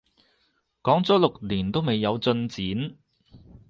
講咗六年都未有進展